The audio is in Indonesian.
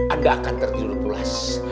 anda akan terjulup mulas